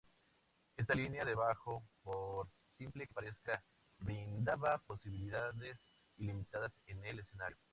Esta línea de bajo, por simple que parezca, brindaba posibilidades ilimitadas en el escenario.